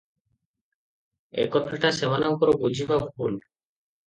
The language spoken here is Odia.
ଏକଥାଟା ସେମାନଙ୍କର ବୁଝିବା ଭୁଲ ।